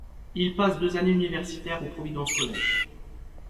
Il passe deux années universitaires au Providence College.